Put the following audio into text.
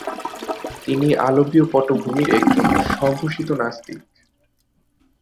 তিনি আলবীয় পটভূমির একজন স্বঘোষিত নাস্তিক।